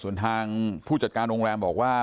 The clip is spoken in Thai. ส่วนทางผู้จัดการโรงแรมบอกว่า